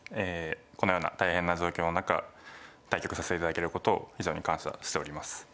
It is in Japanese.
このような大変な状況の中対局させて頂けることを非常に感謝しております。